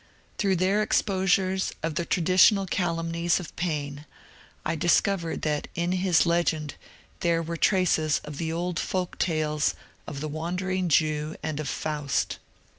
Through their exposures of the traditional calumnies of Paine I dis covered that in his legend there were traces of the old folk tales of the Wandering Jew and of Faust.